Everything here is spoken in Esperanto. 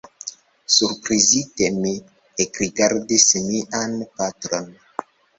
Surprizite mi ekrigardis mian patron.